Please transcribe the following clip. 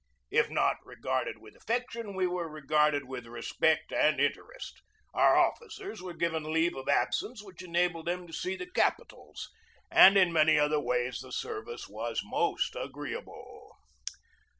If not regarded with affection, we were regarded with respect and interest. Our officers were given leave of absence which enabled them to see the capitals; and in many other ways the service was most agree able.